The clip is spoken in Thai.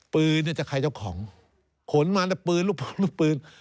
ปืนนี่จากใครเจ้าของขนมาแต่ปืนรูปปืน